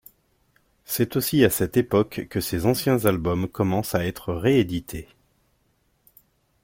C'est aussi à cette époque que ses anciens albums commencent à être réédités.